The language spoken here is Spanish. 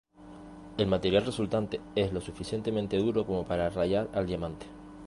El material resultante es lo suficientemente duro como para rayar al diamante.